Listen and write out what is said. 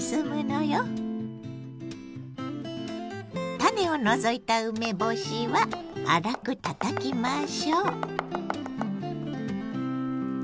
種を除いた梅干しは粗くたたきましょう。